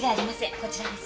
こちらです。